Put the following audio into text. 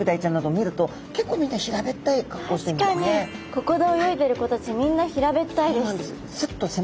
ここで泳いでいる子たちみんな平べったいです。